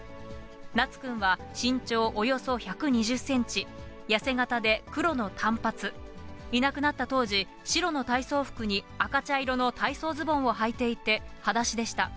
名都君は身長およそ１２０センチ、痩せ形で黒の短髪、いなくなった当時、白の体操服に赤茶色の体操ズボンをはいていて、はだしでした。